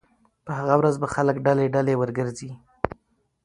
په هغه ورځ به خلک ډلې ډلې ورګرځي